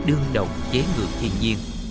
dám đương động chế ngược thiên nhiên